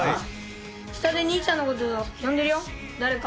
下で兄ちゃんのこと呼んでるよ誰か。